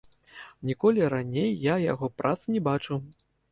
Ніколі раней я яго прац не бачыў.